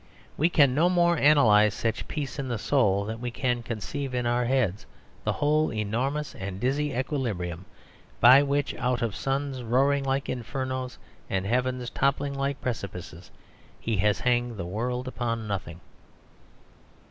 We can no more analyse such peace in the soul than we can conceive in our heads the whole enormous and dizzy equilibrium by which, out of suns roaring like infernos and heavens toppling like precipices, He has hanged the world upon nothing.